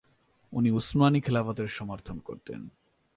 তিনি উসমানি খেলাফতের সমর্থন করতেন।